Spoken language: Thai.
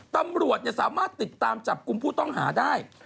ตำรวจสามารถติดตามจับกลุ่มผู้ต้องหาได้